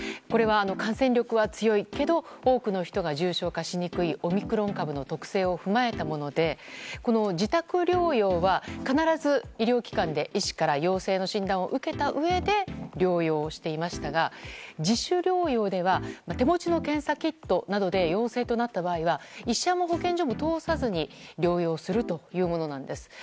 これは、感染力は強いけど多くの人が重症化しにくいオミクロン株の特性を踏まえたもので自宅療養は、必ず医療機関で医師から陽性の診断を受けたうえで療養していましたが自主療養では手持ちの検査キットなどで陽性となった場合は医者も保健所も通さずに療養するというものなんです。